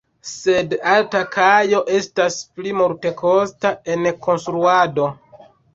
Sed alta kajo estas pli multekosta en konstruado.